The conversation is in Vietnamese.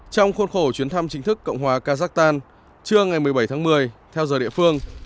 trong khuôn khổ chuyến thăm chính thức cộng hòa kazakhstan trưa ngày một mươi bảy tháng một mươi theo giờ địa phương